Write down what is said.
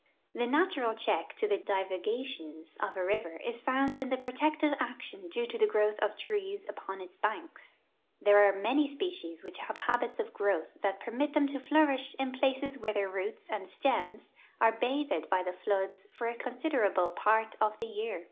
The natural check to the divagations of a river is found in the protective action due to the growth of trees upon its banks. There are many species which have habits of growth that permit them to flourish in places where their roots and stems are bathed by the floods for a considerable part of the year.